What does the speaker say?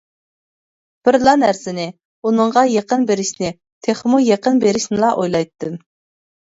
بىرلا نەرسىنى، ئۇنىڭغا يېقىن بېرىشنى، تېخىمۇ يېقىن بېرىشنىلا ئويلايتتىم.